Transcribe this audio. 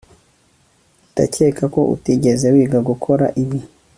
Ndakeka ko utigeze wiga gukora ibi